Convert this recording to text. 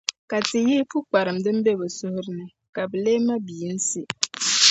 Ka ti yihi pukparim din be bɛ suhiri ni, ka bɛ leei mabiyinsi.